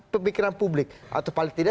pemikiran publik atau paling tidak